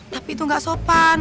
tapi itu gak sopan